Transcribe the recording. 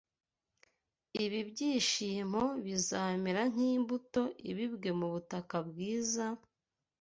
Ibi byigisho bizamera nk’imbuto ibibwe mu butaka bwiza,